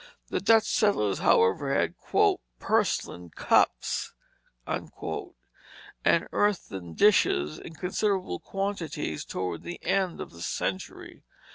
The Dutch settlers, however, had "purslin cupps" and earthen dishes in considerable quantities toward the end of the century.